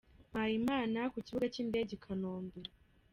Mpayimana ku kibuga cy’indege i Kanombe